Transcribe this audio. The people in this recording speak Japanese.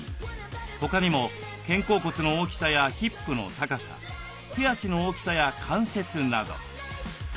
他にも肩甲骨の大きさやヒップの高さ手足の大きさや関節など。